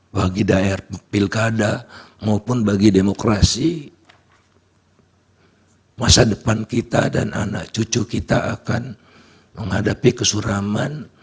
bagi daerah pilkada maupun bagi demokrasi masa depan kita dan anak cucu kita akan menghadapi kesuraman